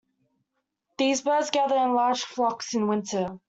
These birds gather in large flocks in winter.